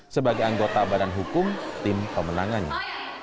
sebagai anggota badan hukum tim pemenangannya